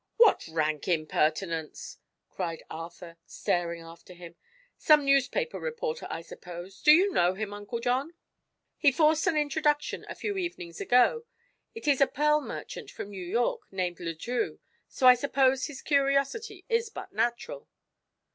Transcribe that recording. "What rank impertinence!" cried Arthur, staring after him. "Some newspaper reporter, I suppose. Do you know him, Uncle John?" "He forced an introduction, a few evenings ago. It is a pearl merchant from New York, named Le Drieux, so I suppose his curiosity is but natural."